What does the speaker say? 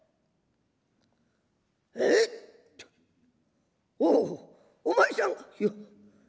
「えっおおお前さんよ